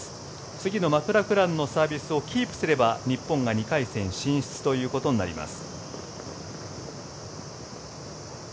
次のマクラクランのサービスをキープすれば日本が２回戦進出ということになります。